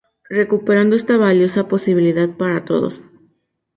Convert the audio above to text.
Recuperando esta valiosa posibilidad para todos.